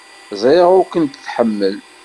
Ẓriɣ ur kent-tḥemmel.